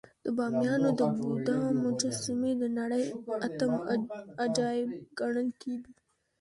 د بامیانو د بودا مجسمې د نړۍ اتم عجایب ګڼل کېدې